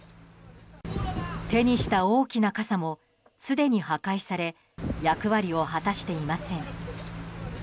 手にした大きな傘もすでに破壊され役割を果たしていません。